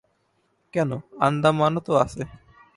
কেন, আণ্ডামানও তো আছে।